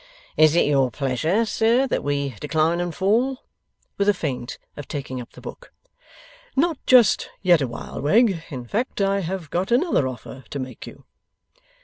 Is it your pleasure, sir, that we decline and we fall?' with a feint of taking up the book. 'Not just yet awhile, Wegg. In fact, I have got another offer to make you.